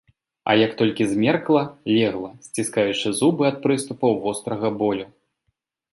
А як толькі змеркла, легла, сціскаючы зубы ад прыступаў вострага болю.